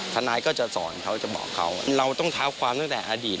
ทนายก็จะสอนเขาจะบอกเขาเราต้องเท้าความตั้งแต่อดีต